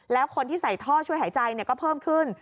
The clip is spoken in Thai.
แล้วคนที่ใส่ท่อช่วยหายใจก็เพิ่มขึ้น